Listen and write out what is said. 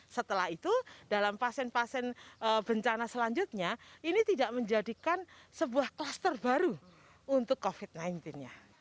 setelah itu dalam pasien pasien bencana selanjutnya ini tidak menjadikan sebuah kluster baru untuk covid sembilan belas nya